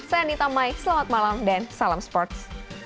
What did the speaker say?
saya anita mai selamat malam dan salam sports